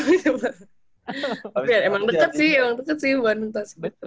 emang deket sih emang deket sih bandung tasik